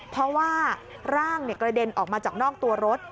เพราะว่าร่างกระเด็นออกมาจากนอกตัวรถ